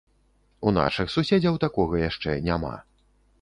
У нашых суседзяў такога яшчэ няма.